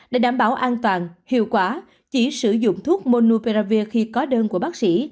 để đảm bảo an toàn hiệu quả chỉ sử dụng thuốc monuperavir khi có đơn của bác sĩ